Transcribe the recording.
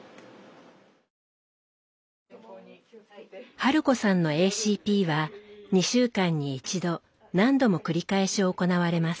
春子さんのＡＣＰは２週間に一度何度も繰り返し行われます。